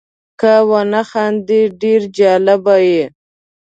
که ونه خاندې ډېر جالب یې .